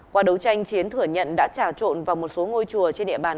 qua đấu tranh chiến thừa nhận đã trà trộn vào một số ngôi chùa trên địa bàn